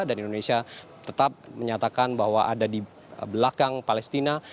dan indonesia tetap menyatakan bahwa ada di belakang palestina